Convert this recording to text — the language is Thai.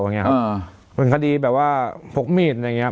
อย่างเงี้ยครับอ่าเป็นคดีแบบว่าพกมีดอย่างเงี้ย